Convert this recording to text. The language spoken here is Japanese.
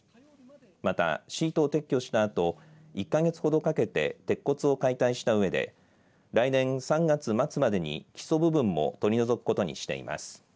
またシートを撤去したあと１か月ほどかけで鉄骨を解体したうえで来年３月末までに基礎部分も取り除くことにしています。